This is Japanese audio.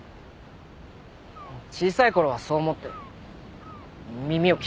小さいころはそう思って耳を鍛えた。